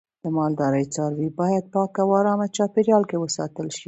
د مالدارۍ څاروی باید په پاکه او آرامه چاپیریال کې وساتل شي.